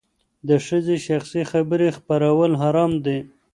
د ښځې شخصي خبرې خپرول حرام دي.